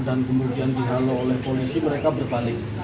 dan kemudian dihalo oleh polisi mereka berbalik